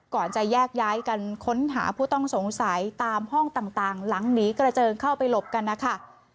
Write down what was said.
ก่อนจะแยกย้ายกันค้นหาผู้ต้องสงสัยตามห้องต่างหลังหนีกระเจิงเข้าไปหลบกันนะคะ